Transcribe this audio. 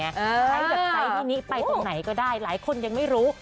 ให้ใจที่นี่ไปตรงไหนก็ได้หลายคนยังไม่รู้